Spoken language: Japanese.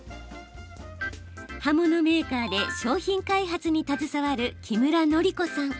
刃物メーカーで商品開発に携わる、木村典子さん。